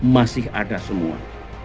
masih ada semua